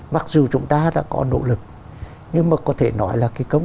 mặc dù chúng ta đã có nỗ lực nhưng mà có thể nói là cái công